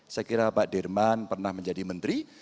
saya kira pak dirman pernah menjadi menteri